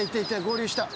合流した。